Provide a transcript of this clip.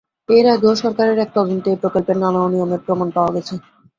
এর আগেও সরকারের এক তদন্তে এই প্রকল্পের নানা অনিয়মের প্রমাণ পাওয়া গেছে।